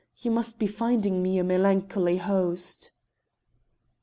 you must be finding me a melancholy host."